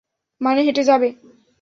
মানে হেঁটে যাবে?